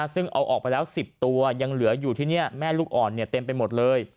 ซึ่งเอาออกไปแล้ว๑๐ตัวยังเหลือที่แม่ลูกอ่อนเนี่ยเต็มไปหมดเลย